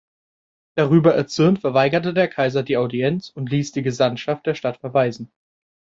Darüber erzürnt, verweigerte der Kaiser die Audienz und ließ die Gesandtschaft der Stadt verweisen.